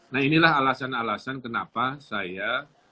nah inilah alasan alasan kenapa saya